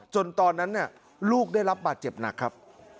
ตอนนั้นลูกได้รับบาดเจ็บหนักครับ